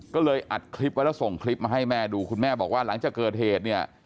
ก็เลยอัดคลิปไว้แล้วส่งคลิปมาให้แม่ดูคุณแม่บอกว่าหลังจากเกิดเหตุเนี่ย